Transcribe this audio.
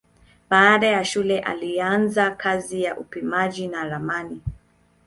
Baada ya shule alianza kazi ya upimaji na ramani.